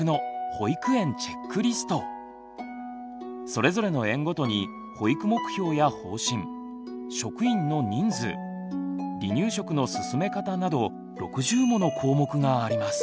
それぞれの園ごとに保育目標や方針職員の人数離乳食の進め方など６０もの項目があります。